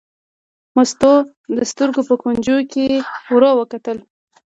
مستو د سترګو په کونجونو کې ور وکتل.